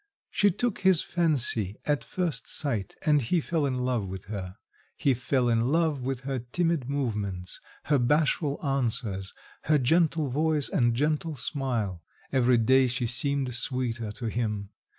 She took his fancy at first sight, and he fell in love with her: he fell in love with her timid movements, her bashful answers, her gentle voice and gentle smile; every day she seemed sweeter to him.